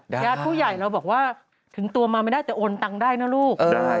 ญาติผู้ใหญ่เราบอกว่าถึงตัวมาไม่ได้แต่โอนตังค์ได้นะลูก